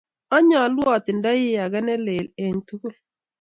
Anyalu atindoi ake ne lel eng tukul